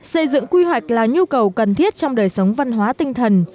xây dựng quy hoạch là nhu cầu cần thiết trong đời sống văn hóa tinh thần